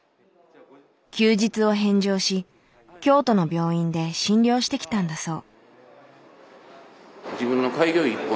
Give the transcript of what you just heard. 休日を返上し京都の病院で診療してきたんだそう。